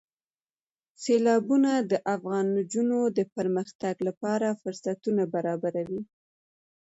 سیلابونه د افغان نجونو د پرمختګ لپاره فرصتونه برابروي.